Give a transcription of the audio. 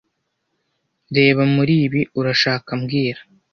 Reba muri ibi, urashaka mbwira